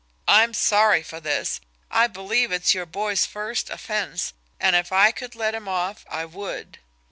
I'm sorry for this; I believe it's your boy's first offence, and if I could let him off I would."